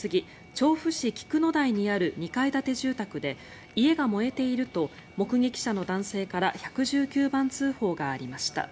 調布市菊野台にある２階建て住宅で家が燃えていると目撃者の男性から１１９番通報がありました。